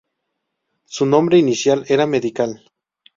Su nombre inicial era Medical.